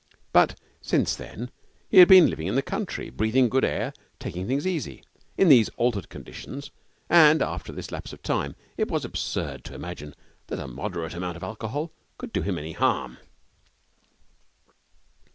But since then he had been living in the country, breathing good air, taking things easy. In these altered conditions and after this lapse of time it was absurd to imagine that a moderate amount of alcohol could do him any harm.